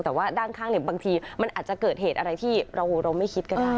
แต่ว่าด้านข้างบางทีมันอาจจะเกิดเหตุอะไรที่เราไม่คิดก็ได้